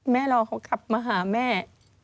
แม่รอเขากลับมาหาแม่